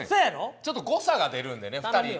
ちょっと誤差が出るんでね２人の。